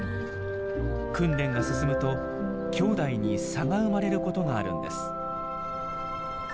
訓練が進むときょうだいに差が生まれることがあるんです。